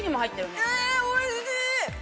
おいしい！